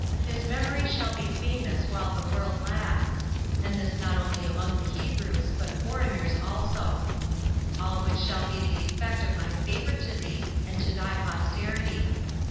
His memory shall be famous while the world lasts; and this not only among the Hebrews, but foreigners also:all which shall be the effect of my favor to thee, and to thy posterity.